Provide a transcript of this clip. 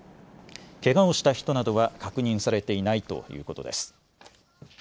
けがをした人などは確認されていないということです。